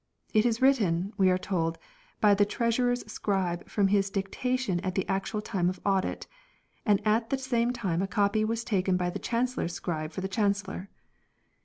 It ispipe U Roi* n written, we are told, by the Treasurer's scribe from his dictation at the actual time of Audit ; and at the same time a copy is taken by the Chancellor's scribe for the Chancellor.